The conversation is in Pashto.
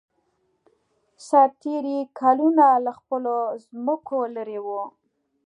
سرتېري کلونه له خپلو ځمکو لېرې وو.